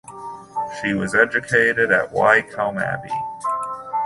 She was educated at Wycombe Abbey.